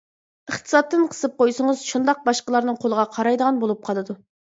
ئىقتىسادتىن قىسىپ قويسىڭىز شۇنداق باشقىلارنىڭ قولىغا قارايدىغان بولۇپ قالىدۇ.